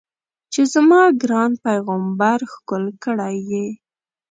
چې زما ګران پیغمبر ښکل کړی یې.